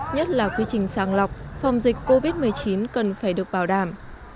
nhất là quy trình sàng lọc phòng dịch covid một mươi chín cần phải được bảo đảm